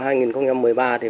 cũng không có gì